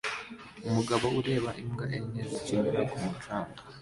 Umugabo ureba imbwa enye zikinira ku mucanga